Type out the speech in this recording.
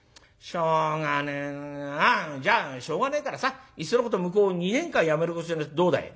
じゃあしょうがねえからさいっそのこと向こう２年間やめることにするのはどうだい？」。